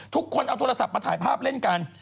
ทุกคนเอาโทรศัพท์มาถ่ายภาพเล่นกัน